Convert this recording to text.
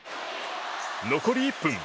残り１分。